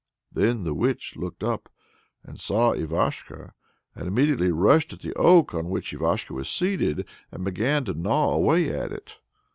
Then the witch looked up and saw Ivashko, and immediately rushed at the oak on which Ivashko was seated, and began to gnaw away at it.